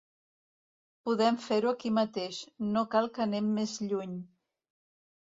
Podem fer-ho aquí mateix, no cal que anem més lluny.